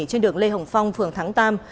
trên đường lê hồng phong phường thắng tam